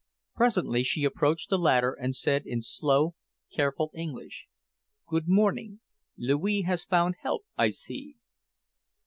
Presently she approached the ladder and said in slow, careful English, "Good morning. Louis has found help, I see."